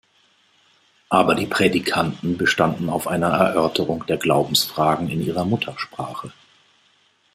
Aber die Prädikanten bestanden auf einer Erörterung der Glaubensfragen in ihrer Muttersprache.